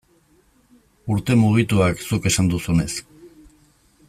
Urte mugituak, zuk esan duzunez.